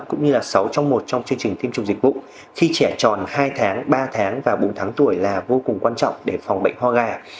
cũng như là sáu trong một trong chương trình tiêm chủng dịch vụ khi trẻ tròn hai tháng ba tháng và bốn tháng tuổi là vô cùng quan trọng để phòng bệnh ho gà